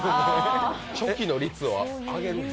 チョキの率を上げるんだ。